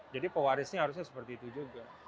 jadi pewarisnya harusnya seperti itu juga